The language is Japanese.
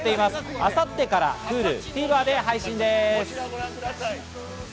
明後日からＨｕｌｕ、ＴＶｅｒで配信です。